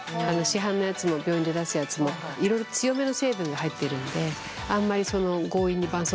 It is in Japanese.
市販のやつも病院で出すやつもいろいろ強めの成分が入っているのであんまり強引にばん